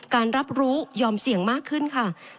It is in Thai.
การรับรู้ยอมเสี่ยงมากขึ้นค่ะ